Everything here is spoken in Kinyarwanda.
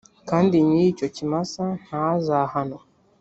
kandi nyir icyo kimasa ntazahanwe